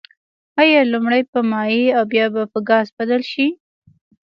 آیا لومړی په مایع او بیا به په ګاز بدل شي؟